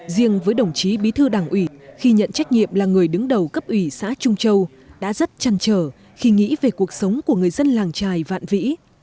riêng với đồng chí bí thư đảng ủy khi nhận trách nhiệm là người đứng đầu cấp ủy xã trung châu đã rất chăn trở khi nghĩ về cuộc sống của người dân làng trài vạn vĩ